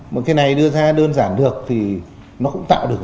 mà cái này đưa ra đơn giản được thì nó cũng tạo được